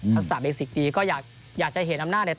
ทักษะเบสิกดีก็อยากจะเห็นอำนาจเนี่ย